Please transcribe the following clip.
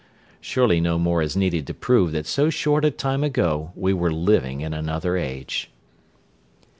Surely no more is needed to prove that so short a time ago we were living in another age!